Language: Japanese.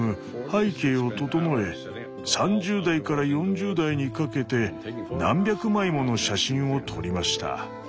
背景を整え３０代から４０代にかけて何百枚もの写真を撮りました。